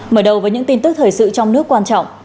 mở đầu với những tin tức thời sự trong nước quan trọng